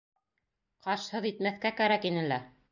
— Ҡашһыҙ итмәҫкә кәрәк ине лә.